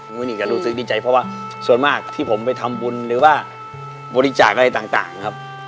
วันนี้ก็รู้สึกดีใจเพราะว่าส่วนมากที่ผมไปทำบุญหรือว่าบริจาคอะไรต่างครับ